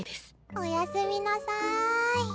おやすみなさぁい。